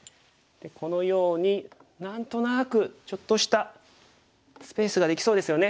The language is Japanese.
このように何となくちょっとしたスペースができそうですよね。